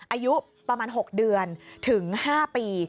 อายุประมาณ๖เดือนถึง๕ปี